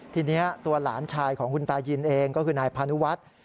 ทีนี้ตัวหลานชายของคุณตายินเองก็คือนายพานุวัฒน์